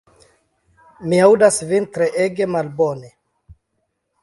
Mi aŭdas vin treege malbone.